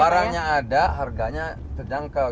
barangnya ada harganya terjangkau